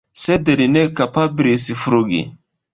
Sed li ne kapablis flugi!